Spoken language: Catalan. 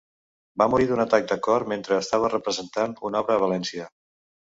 Va morir d'un atac de cor mentre estava representant una obra a València.